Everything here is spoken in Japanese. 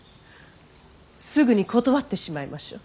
すぐに断ってしまいましょう。